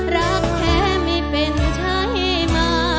รักแท้ไม่เป็นใช่มา